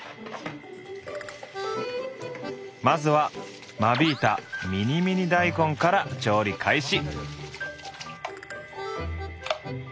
まずは間引いたミニミニ大根から調理開始。